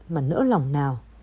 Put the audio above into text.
mà nỡ lòng nào